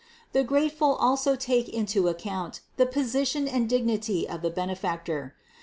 The grateful also take into account the position and dignity of the benefactor.